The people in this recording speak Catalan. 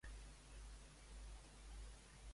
On va lluitar Carmen?